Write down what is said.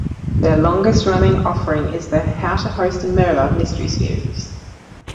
Their longest-running offering is the "How to Host a Murder" Mystery series.